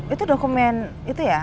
itu dokumen itu ya